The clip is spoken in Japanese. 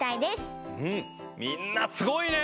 みんなすごいね！